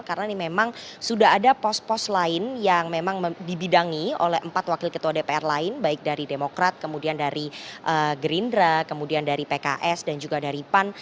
karena ini memang sudah ada pos pos lain yang memang dibidangi oleh empat wakil ketua dpr lain baik dari demokrat kemudian dari gerindra kemudian dari pks dan juga dari pan